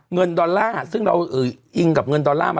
เงินดอลลาร์ซึ่งอืออิงกับเงินดอลลาร์